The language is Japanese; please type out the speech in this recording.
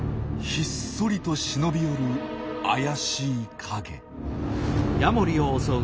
ひっそりと忍び寄る怪しい影。